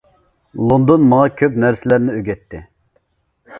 لوندون ماڭا كۆپ نەرسىلەرنى ئۆگەتتى.